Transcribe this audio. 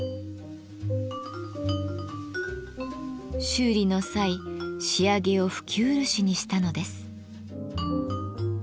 修理の際仕上げを拭き漆にしたのです。